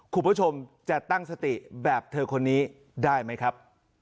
คุณผู้ชมจะตั้งสติแบบเธอคนนี้ได้ไหมครับ